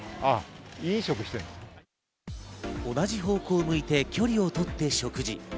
同じ方向を向いて、距離をとって食事。